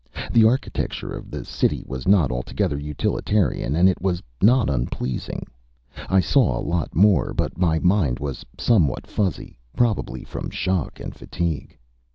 The architecture of the city was not altogether utilitarian and it was not unpleasing. I saw a lot more. But my mind was somewhat fuzzy, probably from shock and fatigue.